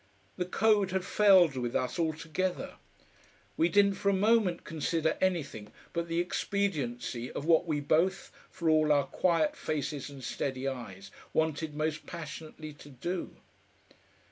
The code had failed with us altogether. We didn't for a moment consider anything but the expediency of what we both, for all our quiet faces and steady eyes, wanted most passionately to do.